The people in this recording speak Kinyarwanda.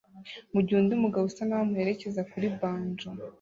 mugihe undi mugabo usa na we amuherekeza kuri banjo